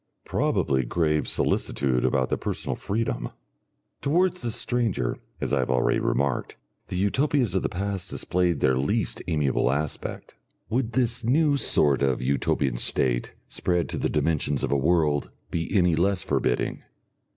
Probably grave solicitude about their personal freedom. Towards the Stranger, as I have already remarked, the Utopias of the past displayed their least amiable aspect. Would this new sort of Utopian State, spread to the dimensions of a world, be any less forbidding?